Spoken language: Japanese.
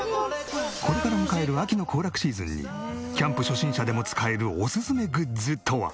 これから迎える秋の行楽シーズンにキャンプ初心者でも使えるおすすめグッズとは？